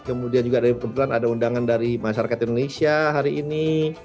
kemudian juga dari kebetulan ada undangan dari masyarakat indonesia hari ini